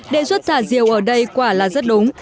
đề xuất thả rìu ở đây quả là rất đúng